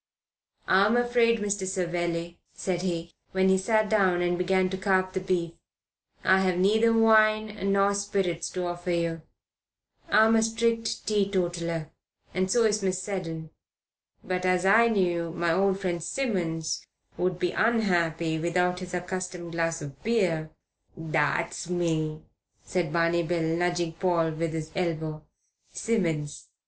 "I am afraid, Mr. Savelli," said he, when he sat down and began to carve the beef, "I have neither wine nor spirits to offer you. I am a strict teetotaller; and so is Miss Seddon. But as I knew my old friend Simmons would be unhappy without his accustomed glass of beer " "That's me," said Barney Bill, nudging Paul with his elbow. "Simmons.